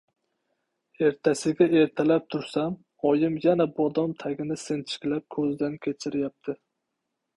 Ertasiga ertalab tursam, oyim yana bodom tagini sinchiklab ko‘zdan kechiryapti.